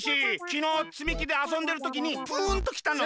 きのうつみきであそんでるときにプーンときたの。